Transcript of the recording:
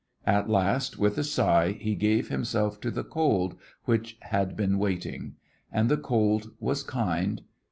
At last with a sigh he gave himself to the cold, which had been waiting. And the cold was kind.